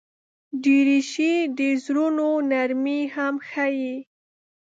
دریشي د زړونو نرمي هم ښيي.